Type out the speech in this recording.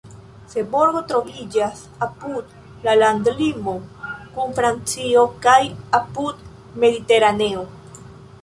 Seborgo troviĝas apud la landlimo kun Francio kaj apud Mediteraneo.